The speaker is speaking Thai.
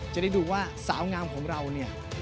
จะได้ดูว่าสาวงามของเราเนี่ย